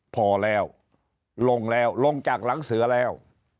พอแล้วลงแล้วลงจากหลังเสือแล้ว